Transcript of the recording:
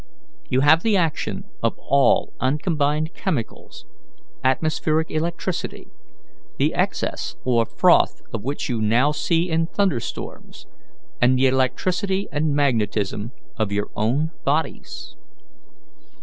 You have the action of all uncombined chemicals, atmospheric electricity, the excess or froth of which you now see in thunderstorms, and the electricity and magnetism of your own bodies.